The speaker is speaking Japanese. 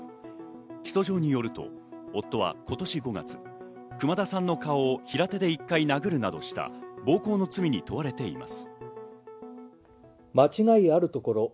起訴状によると、夫は今年５月、熊田さんの顔を平手で１回殴るなどした暴行の罪に問われています。